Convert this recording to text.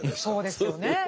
そうですよね。